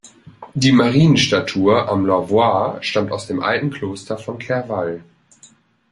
Die Marienstatue am Lavoir stammt aus dem alten Kloster von Clerval.